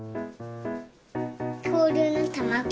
きょうりゅうのたまご。